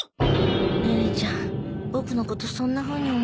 ネネちゃんボクのことそんなふうに思ってるんだ。